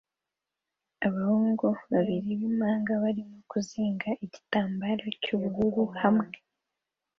Abahungu babiri b'impanga barimo kuzinga igitambaro cy'ubururu hamwe